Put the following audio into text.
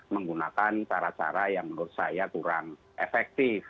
menggunakan cara cara yang menurut saya kurang efektif